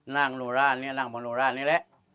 นั่งโนร่านเนี่ยนั่งโนร่านเนี่ยแหละ